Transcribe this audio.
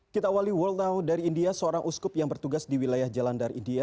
kita awali world now dari india seorang uskup yang bertugas di wilayah jalanar india